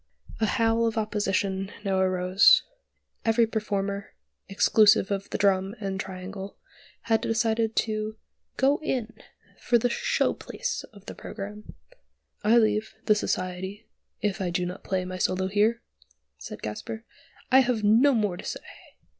A howl of opposition now arose. Every performer, exclusive of the Drum and the Triangle, had decided to "go in" for the "show place" in the programme. "I leave the Society if I do not play my solo here," said Gasper. "I have no more to say!"